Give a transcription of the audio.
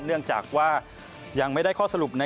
เนื่องจากว่ายังไม่ได้ข้อสรุป